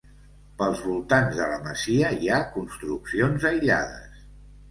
Pels voltants de la masia hi ha construccions aïllades.